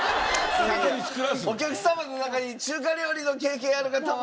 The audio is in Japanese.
「お客様の中に中華料理の経験ある方はいませんか？」。